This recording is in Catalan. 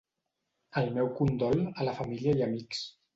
El meu condol a la família i amics.